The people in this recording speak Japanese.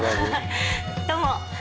「どうも。